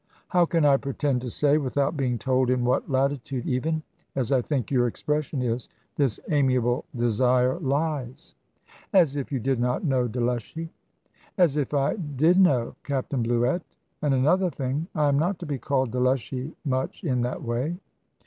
"How can I pretend to say, without being told in what latitude even as I think your expression is this amiable desire lies?" "As if you did not know, Delushy!" "As if I did know, Captain Bluett! And another thing I am not to be called 'Delushy,' much, in that way."